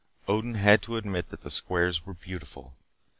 Odin had to admit that the squares were beautiful.